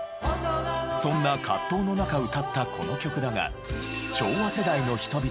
そんな葛藤の中歌ったこの曲だが。